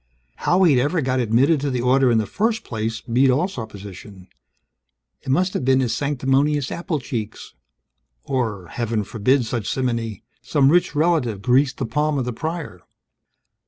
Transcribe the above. How he'd ever got admitted to the order in the first place beat all supposition. It must have been his sanctimonious apple cheeks or (Heaven forbid such simony), some rich relative greased the palm of the Prior.